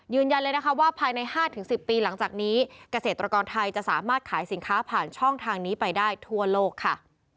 ยืนยันเลยนะคะว่าภายใน๕๑๐ปีหลังจากนี้เกษตรกรไทยจะสามารถขายสินค้าผ่านช่องทางนี้ไปได้ทั่วโลกค่ะ